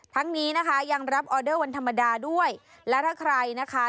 ทั้งนี้นะคะยังรับออเดอร์วันธรรมดาด้วยและถ้าใครนะคะ